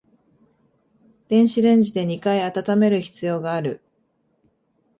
電子レンジで二回温める必要がある